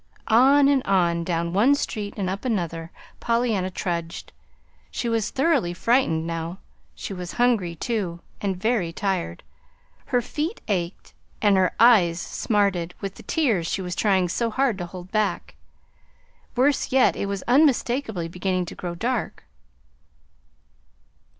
On and on, down one street and up another, Pollyanna trudged. She was thoroughly frightened now. She was hungry, too, and very tired. Her feet ached, and her eyes smarted with the tears she was trying so hard to hold back. Worse yet, it was unmistakably beginning to grow dark.